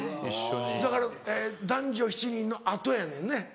だから『男女７人』の後やねんね。